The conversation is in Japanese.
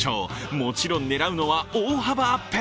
もちろん狙うのは大幅アップ。